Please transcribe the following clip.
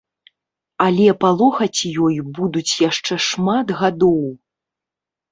Але палохаць ёй будуць яшчэ шмат гадоў.